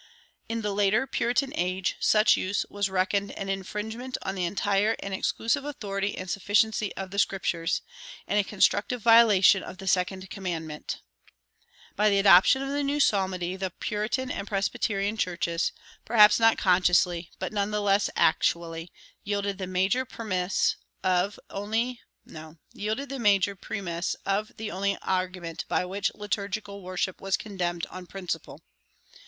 In the later Puritan age such use was reckoned an infringement on the entire and exclusive authority and sufficiency of the Scriptures, and a constructive violation of the second commandment. By the adoption of the new psalmody the Puritan and Presbyterian churches, perhaps not consciously, but none the less actually, yielded the major premiss of the only argument by which liturgical worship was condemned on principle.